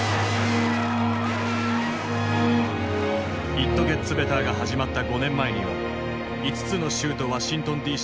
「イット・ゲッツ・ベター」が始まった５年前には５つの州とワシントンＤ．Ｃ